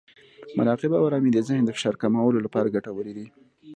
مراقبه او ارامۍ د ذهن د فشار کمولو لپاره ګټورې دي.